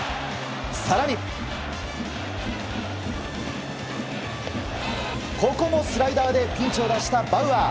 更に、ここもスライダーでピンチを脱したバウアー。